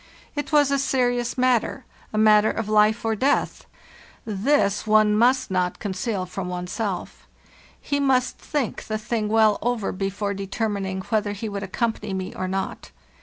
It was a serious matter—a matter of life or death—this one must not conceal from one's self. He must think the thing well over before determining whether he would accompany me or not.